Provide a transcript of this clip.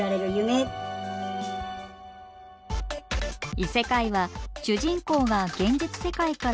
「異世界」は主人公が現実世界から異世界に転生。